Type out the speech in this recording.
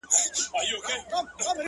• نن د سولي آوازې دي د جنګ بندي نغارې دي,